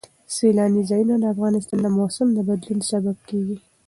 سیلاني ځایونه د افغانستان د موسم د بدلون سبب کېږي.